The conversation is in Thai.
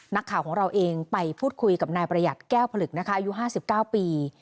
นักข่าวของเราเองไปพูดคุยกับนายประหยัดแก้วผลึกนะคะอายุ๕๙ปี